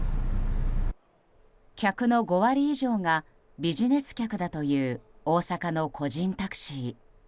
客の５割以上がビジネス客だという大阪の個人タクシー。